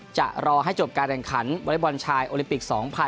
จะรอให้จบการแข่งขันวอเล็กบอลชายโอลิมปิก๒๐๑๖